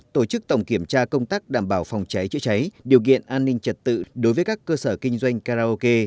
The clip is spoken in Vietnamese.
tổ chức tổng kiểm tra công tác đảm bảo phòng cháy chữa cháy điều kiện an ninh trật tự đối với các cơ sở kinh doanh karaoke